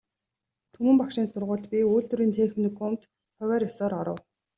Түмэн багшийн сургуульд, би үйлдвэрийн техникумд хувиар ёсоор оров.